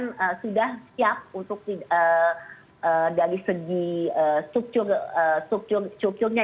kita juga sudah siap untuk dari segi strukturnya